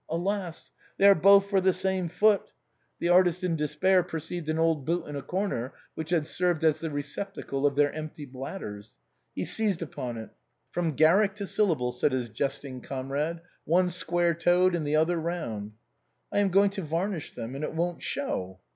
Alas ! they are both for the same foot ! The artist, in despair, perceived an old boot in a corner which had served as the receptacle of their empty bladders. He seized upon it. " From Garrick to Syllable," * said his jesting comrade; " One square toed and the other round." " I am going to varnish them, and it won't show."